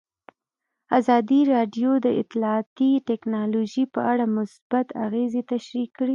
ازادي راډیو د اطلاعاتی تکنالوژي په اړه مثبت اغېزې تشریح کړي.